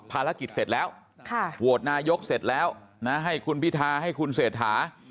ภารกิจเสร็จแล้วโหวตนายกเสร็จแล้วนะให้คุณพิทาให้คุณเศรษฐา